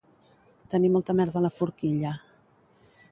Tenir molta merda a la forquilla